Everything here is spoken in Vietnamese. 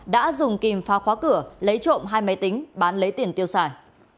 đã dùng kìm pha khóa cửa lấy trộm hai máy tính bán lấy tiền tiêu xài